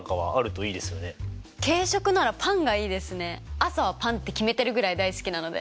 朝はパンって決めてるぐらい大好きなので。